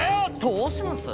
⁉どうします？